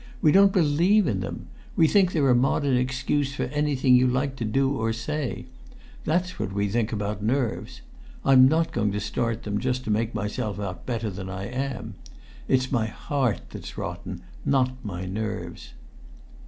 We don't believe in them. We think they're a modern excuse for anything you like to do or say; that's what we think about nerves. I'm not going to start them just to make myself out better than I am. It's my heart that's rotten, not my nerves."